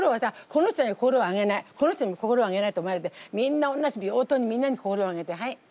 この人には心をあげないこの人にも心をあげないって思わないでみんなおんなじ平等にみんなに心をあげてはい。